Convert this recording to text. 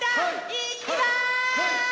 いきます！